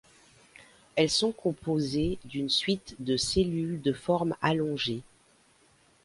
Elles sont composées d'une suite de cellules de forme allongée.